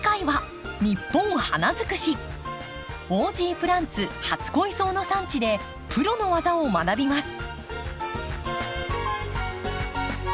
オージープランツ初恋草の産地でプロの技を学びます。